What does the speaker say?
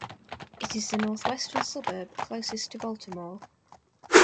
It is the northwestern suburb closest to Baltimore.